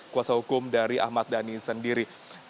kuasa hukum dari ahmad dhani sendiri